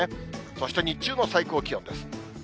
そして日中の最高気温です。